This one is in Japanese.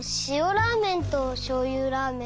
ラーメンとしょうゆラーメン